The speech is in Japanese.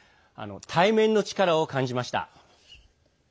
対面の力を感じました。